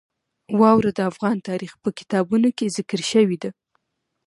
واوره د افغان تاریخ په کتابونو کې ذکر شوې ده.